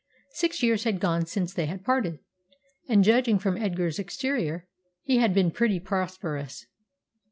Six years had gone since they had parted; and, judging from Edgar's exterior, he had been pretty prosperous.